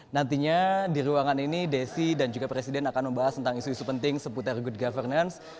nantinya di ruangan ini desi dan juga presiden akan membahas tentang isu isu penting seputar good governance